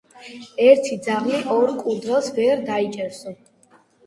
ერთი ძაღლი ორ კურდღელს ვერ დაიჭერსო